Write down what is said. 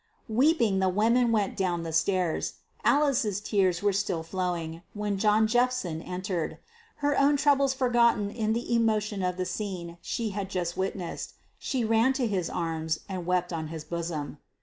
Weeping the women went down the stairs. Alice's tears were still flowing, when John Jephson entered. Her own troubles forgotten in the emotion of the scene she had just witnessed, she ran to his arms and wept on his bosom.